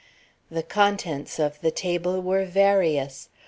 The contents of the table were various.